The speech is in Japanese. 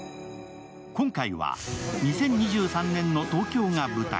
今回は２０２３年の東京が舞台。